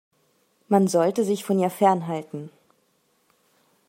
Man sollte sich von ihr fernhalten.